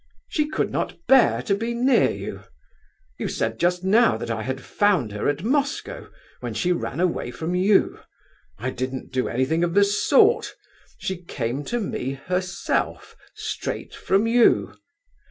She could not bear to be near you. You said just now that I had found her at Moscow, when she ran away from you. I didn't do anything of the sort; she came to me herself, straight from you.